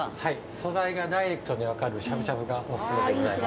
素材がダイレクトに分かるしゃぶしゃぶがお勧めでございます。